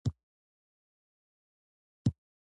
ژوند نه باید د بې رحمه چانس محصول وي.